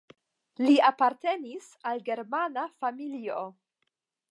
Li apartenis al germana familio.